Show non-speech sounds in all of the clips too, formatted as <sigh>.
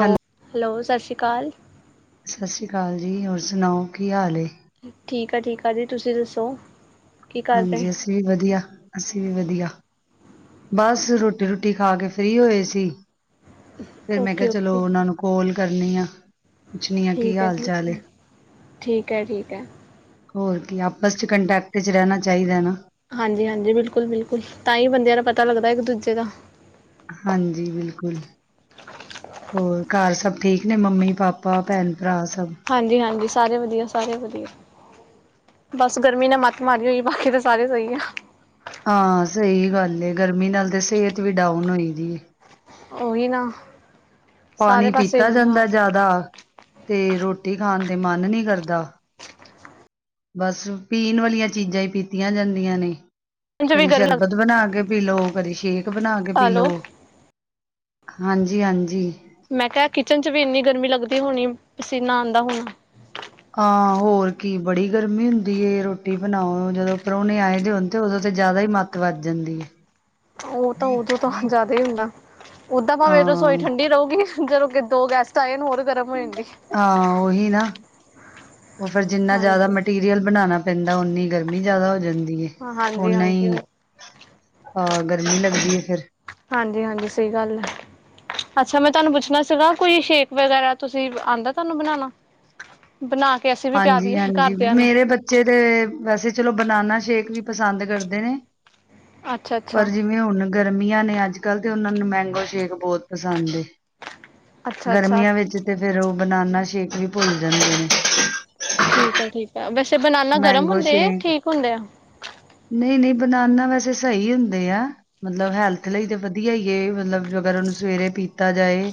Hello, hello ਸਤਿ ਸ਼੍ਰੀ ਅਕਾਲ ਸਤਿ ਸ਼੍ਰੀ ਅਕਾਲ ਜੀ ਹੋਰ ਸੁਣਾਓ ਕੀ ਹਾਲ ਹੈ? ਠੀਕ ਆ ਠੀਕ ਆ ਜੀ ਤੁਸੀਂ ਦੱਸੋ। ਕੀ ਕਰ ਹਾਂਜੀ ਰਹੇ? ਅਸੀਂ ਵੀ ਵਧੀਆ ਅਸੀਂ ਵੀ ਵਧੀਆ। ਬਸ ਰੋਟੀ ਰੁਟੀ ਖਾ ਕੇ ਫ੍ਰਰੀ ਹੋਏ ਸੀ। ਫਿਰ ਮੈਂ ਕਿਹਾ ਓਕੇ ਚਲੋ ਓਕੇ ਉਹਨਾਂ ਨੂੰ ਕੌਲ ਕਰਨੀ ਆ। ਪੁੱਛਣੀ ਆ ਕੀ ਠੀਕ ਹੈ ਹਾਲ ਠੀਕ ਚਾਲ ਐ। ਹੈ ਠੀਕ ਹੈ ਠੀਕ ਹੈ। ਹੋਰ ਕੀ ਆਪਸ 'ਚ ਕੰਟੈਕਟ 'ਚ ਰਹਿਣਾ ਚਾਹੀਦਾ ਨਾ। ਹਾਂਜੀ-ਹਾਂਜੀ, ਬਿਲਕੁਲ-ਬਿਲਕੁਲ ਤਾਂ ਹੀ ਬੰਦਿਆਂ ਦਾ ਪਤਾ ਲੱਗਦਾ ਇੱਕ ਦੂਜੇ ਦਾ। ਹਾਂਜੀ, ਬਿਲਕੁਲ। ਹੋਰ ਘਰ ਸਭ ਠੀਕ ਨੇ ਮੰਮੀ ਪਾਪਾ ਭੈਣ? ਭਰਾ ਸਭ ਹਾਂਜੀ-ਹਾਂਜੀ, ਸਾਰੇ ਵਧੀਆ ਸਾਰੇ ਵਧੀਆ। ਬਸ ਗਰਮੀ ਨੇ ਮੱਤ ਮਾਰੀ ਹੋਈ ਬਾਕੀ ਤਾਂ ਸਾਰੇ ਸਹੀ ਆ। ਹਾਂ ਸਹੀ ਗੱਲ ਹੈ, ਗਰਮੀ ਨਾਲ ਤੇ ਸਿਹਤ ਵੀ ਡਾਊਨ ਹੋਈ ਦੀ ਹੈ। ਉਹੀ ਨਾ। ਸਾਰੇ ਪਾਣੀ ਪਾਸੇ ਪੀਤਾ ਇਹੀ ਹਾਲ। ਜਾਂਦਾ ਕਿਚਨ ਜਿਆਦਾ ਤੇ ਰੋਟੀ ਖਾਣ। ਤੇ ਮਨ ਨਹੀਂ ਕਰਦਾ। ਬਸ ਪੀਣ ਵਾਲੀਆਂ ਚੀਜ਼ਾਂ ਹੀ ਪੀਤੀਆਂ ਜਾਂਦੀਆਂ ਨੇ। ਚ ਵੀ ਕਦੀ ਗਰਮੀ ਸ਼ਰਬਤ ਬਣਾ ਕੇ ਪੀ ਲਓ, ਕਦੀ ਸ਼ੇਕ ਬਣਾ ਕੇ ਪੀ ਹੈਲੋ ਲਓ। ਹਾਂਜੀ-ਹਾਂਜੀ। ਮੈਂ ਕਿਹਾ ਕਿਚਨ 'ਚ ਵੀ ਇੰਨੀ ਗਰਮੀ ਲੱਗਦੀ ਹੋਣੀ ਪਸੀਨਾ ਆਉਂਦਾ ਹੋਣਾ। ਹਾਂ ਹੋਰ ਕੀ ਬੜੀ ਗਰਮੀ ਹੁੰਦੀ ਰੋਟੀ ਬਣਾਓ, ਜਦੋਂ ਪ੍ਰਾਹਣੇ ਆਏ ਦੇ ਹੋਣ ਤੇ ਉਦੋਂ ਜਿਆਦਾ ਹੀ ਮੱਤ ਵੱਧ ਜਾਂਦੀ ਹੈ। ਉਹ ਤਾਂ ਉਦੋਂ ਤਾਂ ਜਿਆਦਾ ਹੀ ਹੁੰਦਾ, ਓਦਾਂ ਭਾਵੇਂ ਰਸੋਈ ਹਾਂ ਠੰਡੀ ਰਹੂਗੀ। ਜਦੋਂ ਕਿ ਦੋ ਗੈਸਟ ਆਏ ਹੋਰ ਗਰਮ ਹੋ ਜਾਂਦੀ। ਹਾਂ ਉਹੀ ਨਾ ਉਹ ਫਿਰ ਜਿੰਨਾ ਜਿਆਦਾ ਹਾਂਜੀ ਮਟੀਰੀਅਲ ਬਣਾਉਣਾ, ਪੈਂਦਾ ਉਓਨੀ ਗਰਮੀ ਜਿਆਦਾ ਹੋ ਜਾਂਦੀ। ਹਾਂਜੀ ਉਹਨਾ ਹਾਂਜੀ ਹੀ ਅਹ ਗਰਮੀ ਲੱਗਦੀ ਫੇਰ, ਹਾਂਜੀ-ਹਾਂਜੀ ਸਹੀ ਗੱਲ ਹੈ। ਅੱਛਾ ਮੈਂ ਤੁਹਾਨੂੰ ਪੁੱਛਣਾ ਸੀਗਾ, ਕੋਈ ਸ਼ੇਕ ਵਗੈਰਾ ਤੁਸੀਂ ਆਉਂਦਾ ਤੁਹਾਨੂੰ ਬਣਾਣਾ। ਬਣਾ ਕੇ, ਅਸੀਂ ਵੀ ਪਿਆ ਦੀਏ ਹਾਂਜੀ-ਹਾਂਜੀ ਘਰਦਿਆਂ ਨੂੰ ਮੇਰੇ ਬੱਚੇ ਤੇ ਵੈਸੇ, ਚਲੋ ਬਨਾਨਾ ਸ਼ੇਕ ਵੀ ਪਸੰਦ ਕਰਦੇ ਨੇ ਅੱਛਾ ਅੱਛਾ ਪਰ ਜਿਵੇਂ ਹੁਣ, ਗਰਮੀਆਂ ਨੇ ਅੱਜ-ਕੱਲ੍ਹ ਤੇ ਉਹਨਾਂ ਨੂੰ ਮੈਂਗੋ ਸ਼ੇਕ ਬਹੁਤ ਪਸੰਦ ਐ। ਅੱਛਾ ਅੱਛਾ। ਗਰਮੀਆਂ ਵਿੱਚ ਤੇ ਫੇਰ ਉਹ ਬਨਾਨਾ ਸ਼ੇਕ ਵੀ ਭੁੱਲ ਜਾਂਦੇ ਨੇ, ਠੀਕ ਆ ਠੀਕ ਆ ਵੈਸੇ ਬਨਾਨਾ ਗਰਮ ਮੈਂਗੋ ਹੁੰਦੇ ਆ ਸ਼ੇਕ ਠੀਕ ਹੁੰਦੇ ਬਣਾਉਾ ਵੈਸੇ ਸਹੀ ਹੁੰਦੇ ਆ, ਮਤਲਬ ਹੈਲਥ ਲਈ ਤਾਂ ਵਧੀਆ ਹੀ ਹੈ ਮਤਲਬ ਜ ਅਗਰ ਉਹਨੂੰ ਸਵੇਰੇ ਪੀ। ਕੀਤਾ ਜਾਏ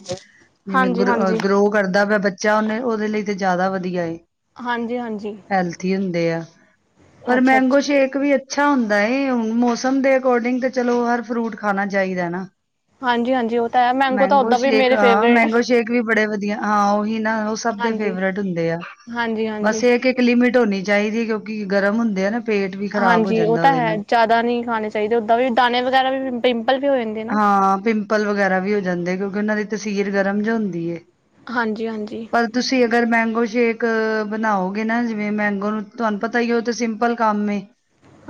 ਜਿਵੇਂ ਹਾਂਜੀ ਗ ਹਾਂਜੀ ਗਰੋ ਕਰਦਾ, ਪਿਆ ਬੱਚਾ ਉਹਨੇ ਉਹਦੇ ਲਈ ਤੇ ਜ਼ਿਆਦਾ ਵਧੀਆ ਏ ਹਾਂਜੀ-ਹਾਂਜੀ, ਹੈਲਥੀ ਹੁੰਦੇ ਆ ਪਰ ਮੈਂਗੋ ਸ਼ੇਕ ਵੀ, ਅੱਛਾ, ਹੁੰਦਾ ਹੁਣ ਮੌਸਮ ਦੇ ਅਕੋਰਡਿੰਗ ਤਾਂ ਚਲੋ ਹਰ ਫਰੂਟ ਖਾਣਾ ਚਾਹੀਦਾ ਨਾ, ਹਾਂਜੀ ਹਾਂਜੀ ਉਹ ਤਾਂ ਹੈ ਤਾਂ ਮੈਂਗੋ ਓਦਾਂ ਵੀ ਸ਼ੇਕ ਮੇਰੇ ਹਾਂ ਫੇਵਰੇਟ ਮੈਂਗੋ ਸ਼ੇਕ ਵੀ ਬੜੇ ਵਧੀਆ, ਹਾਂ ਉਹੀ ਨਾ ਉਹ ਸਭ ਦੇ ਹਾਂਜੀ ਫੇਵਰੇਟ ਹੁੰਦੇ ਆ, ਹਾਂਜੀ ਬਸ ਹਾਂਜੀ ਇਹ ਇੱਕ ਇੱਕ ਲਿਮਿਟ ਹੋਣੀ ਚਾਹੀਦੀ ਕਿਉਂਕਿ ਗਰਮ ਹੁੰਦੇ ਆ ਨਾ। ਪੇਟ ਵੀ ਖ਼ਰਾਬ ਹੋ ਹਾਂਜੀ ਉਹ ਜਾਂਦਾ ਤਾਂ ਉਹਦੇ ਹੈ, ਨਾਲ। ਜ਼ਿਆਦਾ ਨਹੀਂ ਖਾਣੇ ਚਾਹੀਦੇ ਓਦਾਂ ਵੀ ਦਾਣੇ ਵਗੈਰਾ ਵੀ ਪਿੰਪਲ ਵੀ ਹੋ ਜਾਂਦੇ ਨਾ। ਹਾਂ ਪਿੰਪਲ ਵਗੈਰਾ ਵੀ ਹੋ ਜਾਂਦੇ। ਕਿਉਂਕਿ ਉਹਨਾਂ ਦੀ ਤਸੀਰ ਗਰਮ ਜ ਹੁੰਦੀ ਐ, ਹਾਂਜੀ ਹਾਂਜੀ ਪਰ ਤੁਸੀਂ ਅਗਰ ਮੈ ਉਹ ਸ਼ੇਕ ਬਣਾਓਗੇ, ਨਾ ਜਿਵੇਂ ਮੈਂਗੋ ਨੂੰ ਤੁਹਾਨੂੰ ਪਤਾ ਹੀ ਉਹ ਤੇ ਸਿੰਪਲ ਕੰਮ ਏ।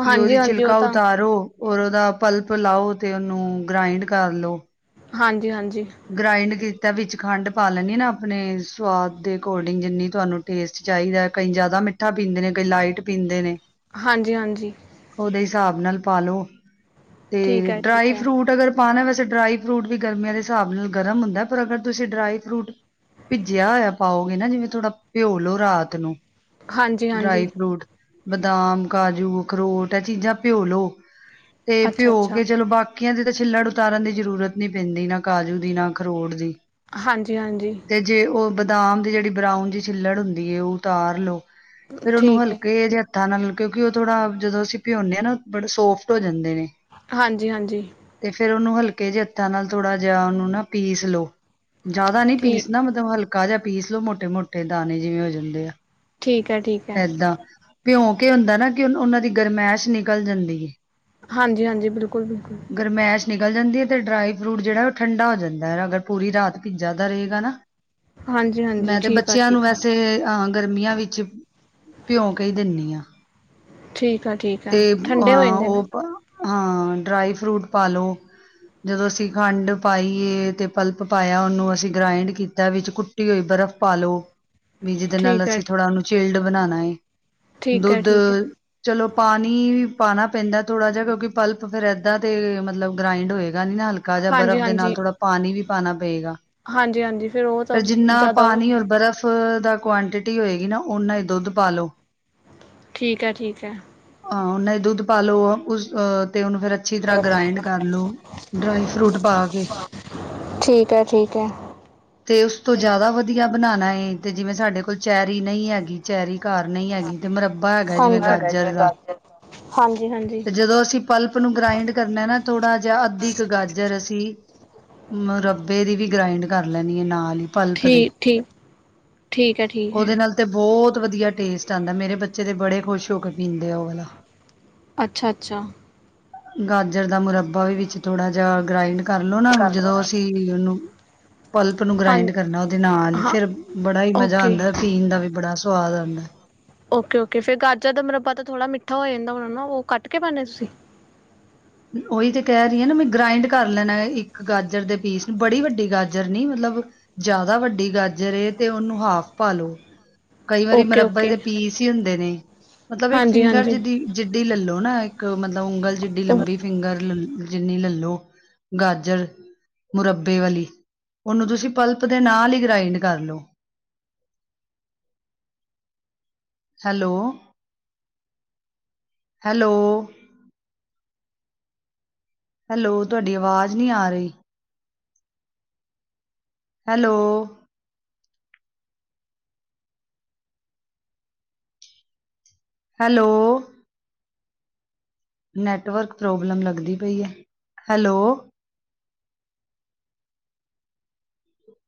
ਕਿ ਹਾਂਜੀ ਉਹਦੀ ਹਾਂਜੀ ਉਹ ਛਿਲਕਾ ਤਾਂ ਉਤਾਰੋ, ਰ ਉਹਦਾ ਪਲਪ ਲਾਓ, ਤੇ ਉਹਨੂੰ ਗ੍ਰਾਇੰਡ ਕਰ ਲਓ। ਹਾਂਜੀ-ਹਾਂਜੀ, ਗ੍ਰਾਇੰਡ ਕੀਤਾ। ਤਾਂ ਵਿੱਚ ਖੰਡ ਪਾ ਲੈਂਨੀ ਆ, ਨਾ ਆਪਣੇ ਸਵਾਦ ਦੇ ਅਕੋਰਡਿੰਗ ਜਿੰਨੀ ਤੁਹਾਨੂੰ ਟੇਸਟ ਚਾਹੀਦਾ ਕਈ ਜ਼ਿਆਦਾ। ਮਿੱਠਾ ਪੀਂਦੇ ਨੇ ਕਈ ਲਾਈਟ ਪੀਂਦੇ ਨੇ, ਹਾਂਜੀ-ਹਾਂਜੀ, ਉਹਦੇ ਹਿਸਾਬ ਨਾਲ ਪਾਲੋ, ਠੀਕ ਤੇ ਹੈ ਠੀਕ ਡਰਾਈ ਹੈ ਫਰੂਟ ਅਗਰ ਪਾਣਾ ਵੈਸੇ ਡਰਾਈ ਫਰੂਟ ਵੀ ਗਰਮੀਆਂ ਦੇ, ਹਿਸਾਬ ਨਾਲ ਗਰਮ ਹੁੰਦਾ ਹੈ, ਪਰ ਅਗਰ ਤੁਸੀਂ ਭਿੱਜਿਆ ਹੋਇਆ ਪਾਓਗੇ, ਨਾ ਜਿਵੇਂ ਥੋੜਾ ਭਿਓ ਲਓ ਰਾਤ ਨੂੰ ਡਰਾਈ ਹਾਂਜੀ-ਹਾਂਜੀ, ਫਰੂਟ ਬਦਾਮ ਕਾਜੂ ਅਖਰੋਟ ਇਹ ਚੀਜ਼ਾਂ ਭਿਓ ਲੋ ਤੇ ਅੱਛਾ ਭਿਓ ਅੱਛਾ ਕੇ ਚਲੋ ਬਾਕੀ। ਟੱਕੀਆਂ ਦੀ ਤਾਂ ਛਿੱਲਾੜ ਉਤਾਰਨ ਦੀ ਜ਼ਰੂਰਤ ਨਹੀਂ ਪੈਂਦੀ ਨਾ ਕਾਜੂ ਦੀ ਨਾ ਖਰੋਟ ਦੀ, ਹਾਂਜੀ-ਹਾਂਜੀ, ਤੇ ਜੇ ਉਹ ਬਦਾਮ ਦੀ ਜਿਹੜੀ ਬਰਾਊਨ ਜਿਹੀ ਛਿੱਲੜ ਹੁੰਦੀ ਉਹ ਉਤਾਰ ਲੋੋ ਫੇਰ ਉਹਨੂੰ ਠੀਕ ਹੈ ਹਲਕੇ ਜਹੇ, ਨਾਲ ਕਿਉਂਕਿ ਉਹ ਥੋੜਾ ਜਦੋਂ ਅਸੀਂ ਭਿਉਂਨੇ ਆ ਨਾ ਬੜੇ ਸੋਫਟ ਹੋ ਜਾਂਦੇ। ਹਾਂਜੀ ਹਾਂਜੀ ਤੇ ਫੇਿਰ ਉਹਨੂੰ ਹਲਕੇ ਜ ਹੱਥਾਂ ਨਾਲ ਥੋੜਾ, ਜਹਾ ਉਹਨੂੰ ਨਾ ਪੀਸ ਲੋਓ ਜਿਆਦਾ ਨੀ ਠੀਕ ਪੀਸਦਾ ਮਤਲਬ ਹਲਕਾ, ਕਾਾਜ਼ਾ ਪੀਸ ਲੋੋ ਮੋਟੇ-ਮੋਟੇ ਦਾਣੇ ਜਿਵੇਂ ਹੋ ਜਾਂਦੇ ਆ। ਠੀਕ ਆ ਠੀਕ ਹੈ, ਭਿਉਂਕ ਹੁੰਦਾ ਨਾ ਕਿ ਉਹਨਾਂ ਦੀ ਗਰਮੈਸ਼ ਨਿਕਲ ਜਾਂਦੀ ਹੈ। ਹਾਂਜੀ-ਹਾਂਜੀ ਬਿਲਕੁਲ-ਬਿਲਕੁਲ, ਗਰਮੈਸ਼ ਨਿਕਲ ਜਾਂਦੀ ਹੈ ਤੇ ਡਰਾਈ ਫਰੂਟ ਜਿਹੜਾ ਉਹ ਠੰਡਾ ਹੋ ਜਾਂਦਾ ਹੈ, ਅਗਰ ਪੂਰੀ ਰਾਤ ਭੀਜਾ ਦਾ ਰਹੇਗਾ ਨਾ। ਹਾਂਜੀ ਹਾਂਜੀ ਮੈਂ ਤੇ ਠੀਕ ਆ ਬੱਚਿਆਂ ਨੂੰ ਠੀਕ ਆ ਵੈਸੇ ਅ ਗਰਮੀਆਂ ਵਿੱਚ ਭਿਉਂ ਕੇ ਹੀ ਦਿੰਨੀ ਆ। ਠੀਕ ਆ ਠੀਕ ਆ ਤੇ ਠੰਡੇ ਹੋ ਜਾਂਦੇ ਅ ਨਾ ਉਹ, ਹਾਂ ਡਰਾਈ ਫਰੂਟ ਪਾ ਲੋ, ਜਦੋਂ ਅਸੀਂ ਖੰਡ ਪਾਈਏ ਤੇ ਪਲਪ ਪਾਇਆ, ਉਹਨੂੰ ਅਸੀਂ ਗ੍ਰਾਇੰਡ ਕੀਤਾ ਵਿੱਚ ਕੁੱਟੀ ਹੋਈ ਬਰਫ਼ ਪਾਲੋ । ਬੀ ਜਿਦੇ ਨਾਲ ਠੀਕ ਹੈ ਅਸੀਂ ਥੋੜਾ ਉਹਨੂੰ ਚਿਲਡ ਬਣਾਣਾ ਹੈ ਠੀਕ ਹੈ ਦੁੱਧ, ਠੀਕ ਹੈ ਚਲੋ। ਪਾਣੀ ਵੀ ਪਾਉਣਾ ਪੈਂਦਾ ਥੋੜ੍ਹਾ ਜਿਹਾ ਕਿਉਂਕਿ, ਪਲਪ ਫਿਰ ਇੱਦਾਂ ਦੇ ਮਤਲਬ ਗ੍ਰਇੰਡ ਹੋਏ। ਗਾ ਨਾ ਹਲਕਾ ਜਾਂ ਬਰਫ਼ ਹਾਂਜੀ ਦੇ ਨਾਲ ਹਾਂਜੀ ਥੋੜਾ ਪਾਣੀ ਵੀ ਪਾਣਾ ਪਏਗਾ। ਹਾਂਜੀ-ਹਾਂਜੀ ਉਹ ਫਿਰ ਤਾਂ ਜਿੰਨਾ ਜ਼ਿਆਦਾ ਉਹ ਪਾਣੀ ਔਰ ਬਰਫ਼, ਕੁਆਂਟਿਟੀ ਹੋਏਗੀ, ਨਾ ਉਹਨਾ ਹੀ ਦੁੱਧ ਪਾਲੋ। ਠੀਕ ਹੈ, ਠੀਕ ਹੈ। ਹਾਂ ਉਹਨਾਂ ਹੀ ਦੁੱਧ ਪਾਲੋ ਉਸ, ਅਹ- ਤੇ ਉਹਨੂੰ ਫਿਰ ਅੱਛੀ ਤਰ੍ਹਾਂ ਗ੍ਰਾਇੰਡ ਕਰ ਲੋ, ਡਰਾਈ ਫਰੂਟ ਪਾ ਕੇ ਠੀਕ ਹੈ, ਠੀਕ ਹੈ, ਤੇ ਉਸ ਤੋਂ ਜ਼ਿਆਦਾ ਵਧੀਆ ਬਣਾਣਾ ਏ, ਤੇ ਜਿਵੇਂ ਸਾਡੇ ਕੋਲ ਚੈਰੀ ਨਹੀਂ ਹੈਗੀ ਚੈਰੀ, ਘਰ ਨਹੀਂ ਹੈਗੀ, ਤੇ ਮੁਰੱਬਾ ਹੈਗਾ ਜਿਵੇਂ ਹਾਂਜੀ। ਗਾਜਰ ਜਿਵੇਂ ਦਾ। ਗਾਜਰ ਹਾਂਜੀ-ਹਾਂਜੀ ਤੇ ਜਦੋਂ ਅਸੀਂ ਪਲਪ ਨੂੰ ਗ੍ਰਾਇੰਡ ਕਰਨਾ ਨਾ ਥੋੜ੍ਹਾ ਜਿਹਾ ਤੇ ਇੱਕ ਗਾਜਰ ਅਸੀਂ, ਮੁਰੱਬੇ ਦੀ ਵੀ ਗ੍ਰਾਇੰਡ ਕਰ ਲੈਣੀ ਆ ਨਾਲ ਹੀ, ਪਲਪ ਦੇ ਠੀਕ-ਠੀਕ, ਠੀਕ ਹੈ, ਠੀਕ ਉਹਦੇ ਹੈ, ਨਾਲ ਤੇ ਬਹੁਤ, ਬਹੁਤ ਵਧੀਆ ਟੇਸਟ ਆਦਾ, ਮੇਰੇ ਬੱਚੇ ਤੇ ਬੜੇ ਖੁਸ਼ ਹੋ ਕੇ ਪੀਂਦੇ ਆ ਉਹ ਵਾਲਾ। ਅੱਛਾ, ਅੱਛਾ। ਗਾਜਰ ਦਾ ਮੁਰੱਬਾ ਵੀ ਵਿੱਚ ਥੋੜਾ ਜਿਹਾ ਗ੍ਰਾਇੰਡ ਕਰਲੋ ਨਾ, ਜਦੋਂ ਅਸੀਂ ਉਹਨੂੰ ਪਲਪ ਨੂੰ ਹਾਂ, ਗ੍ਰਾਇੰਡ ਕਰਨਾ ਉਹਦੇ ਨਾਲ ਹੀ, ਹਾਂ ਫੇਰ ਬੜਾ ਹੀ ਮਜ਼ਾ ਓਕੇ। ਆਉਂਦਾ ਹੈ, ਪੀਣ ਦਾ ਵੀ ਬੜਾ ਸਵਾਦ ਆਂਦੈ। ਓਕੇ-ਓਕੇ, ਫਿਰ ਗਾਜਰ ਦਾ ਮਰੱਬਾ ਤਾਂ ਥੋੜ੍ਹਾ ਮਿੱਠਾ ਹੋ ਜਾਂਦਾ ਹੋਣਾ ਨਾ? ਉਹ ਕੱਟ ਕੇ ਪਾਉਂਦੇ ਤੁਸੀਂ? ਉਹੀ ਤੇ ਕਹਿ ਰਹੀ ਹਾਂ ਨਾ ਮੈਂ, ਗ੍ਰਾਇੰਡ ਕਰ ਲੈਣਾ ਇੱਕ ਗਾਜਰ ਦੇ ਪੀਸ ਨੂੰ ਬੜੀ ਵੱਡੀ ਗਾਜਰ ਨੀ ਮਤਲਬ ਜ਼ਿਆਦਾ ਵੱਡੀ ਗਾਜਰ ਏ, ਤੇ ਉਹਨੂੰ ਹਾਫ ਪਾ ਲੋ। ਕਈ ਵਾਰੀ ਮੁਰੱਬੇ ਦੇ ਓਕੇ-ਓਕੇ, ਪੀਸ ਹੀ ਹੁੰਦੇ ਨੇ, ਮਤਲਬ ਇੱਕ ਫਿੰਗਰ ਹਾਂਜੀ-ਹਾਂਜੀ। ਜਿਦੀ ਜਿੱਡੀ ਲੈਲੋ। ਨਾ ਇੱਕ ਮਤਲਬ ਉਂਗਲ ਜਿਡੀ ਲੰਬੀ, ਫਿੰਗਰ ਜਿੰਨੀ ਲੈਲੋ ਗਾਜਰ। ਮੁਰੱਬੇ ਵਾਲੀ, ਉਹਨੂੰ ਤੁਸੀਂ ਪਲਪ <inaudible> ਹੈਲੋ? ਹੈਲੋ? ਹੈਲੋ? ਤੁਹਾਡੀ ਆਵਾਜ਼ ਨਹੀਂ ਆ ਰਹੀ। ਹੈਲੋ? ਹੈਲੋ? ਨੈਟਵਰਕ ਪ੍ਰੋਬਲਮ ਲੱਗਦੀ ਪਈ ਹੈ, ਹੈਲੋ? <inaudible>